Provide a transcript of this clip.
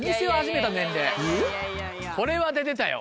これは出てたよ